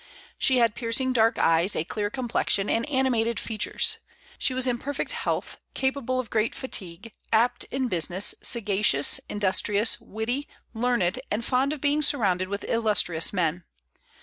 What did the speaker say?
She had piercing dark eyes, a clear complexion, and animated features. She was in perfect health, capable of great fatigue, apt in business, sagacious, industrious, witty, learned, and fond of being surrounded with illustrious men.